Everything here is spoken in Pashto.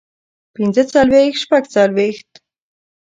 پنځۀ څلوېښت شپږ څلوېښت